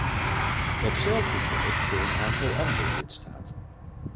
Datzelfde geldt voor een aantal andere lidstaten.